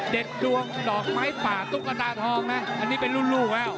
ดวงดอกไม้ป่าตุ๊กตาทองนะอันนี้เป็นรุ่นลูกแล้ว